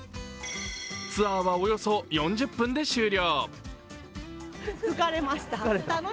ツアーはおよそ４０分で終了。